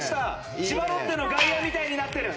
千葉ロッテの外野みたいになってる。